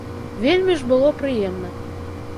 Вельмі ж было прыемна.